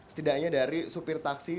setidaknya dari supir taksi